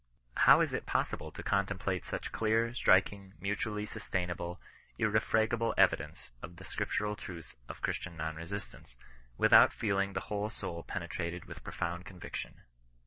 How is it possible to contemplate such clear, striking, mutually sustaining, irrefragable evidence of the scrip tural truth of Christian non resistance, without feeling the whole soul penetrated with profound conviction.